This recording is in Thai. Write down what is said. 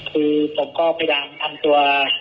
คือผมก็ไปทำตัว